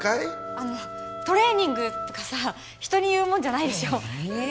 あのトレーニングとかさ人に言うもんじゃないでしょええ？